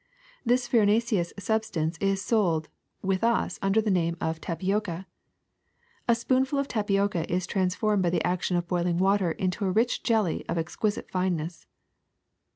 This farinaceous substance is sold with us under the name of tapioca. A spoonful of tapioca is transformed by the action of boiling water into a rich jelly of ex quisite fineness.